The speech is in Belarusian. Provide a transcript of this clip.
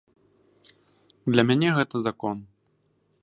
Для мяне гэта закон.